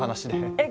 えっ？